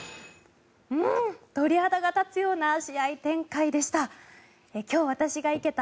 鳥肌が立つような試合展開でした。